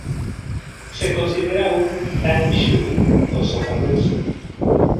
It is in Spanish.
Se considera un "tang shui" o sopa dulce.